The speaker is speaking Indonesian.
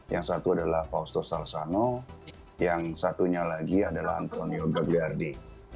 yang satu adalah fausto salsano yang satunya lagi adalah antonio bagliardi